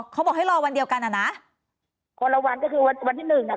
เขาบอกให้รอวันเดียวกันอ่ะนะคนละวันก็คือวันวันที่หนึ่งอ่ะ